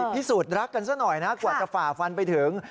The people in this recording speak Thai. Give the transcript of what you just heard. พิสูจน์รักกันซะหน่อยนะกว่าจะฝ่าฟันไปถึง